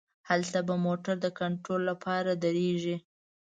هلته به موټر د کنترول له پاره دریږي.